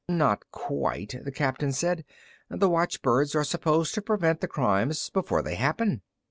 "Not quite," the captain said. "The watchbirds are supposed to prevent the crimes before they happen."